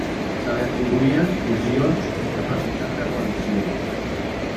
Se li atribuïen visions i capacitat de guarició.